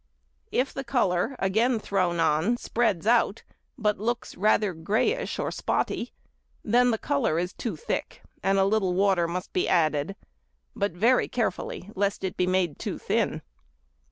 If the colour again thrown on spreads out, but looks rather greyish or spotty, then the colour is too thick, and a little water must be added, but very carefully, lest it be made too thin.